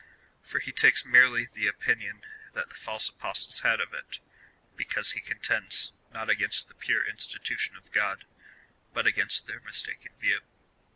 For he takes merely the opi nion that the false apostles had of it, because he contends, not against the pure institution of God, but against their mistaken view.